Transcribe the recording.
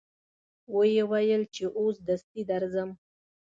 و یې ویل چې اوس دستي درځم.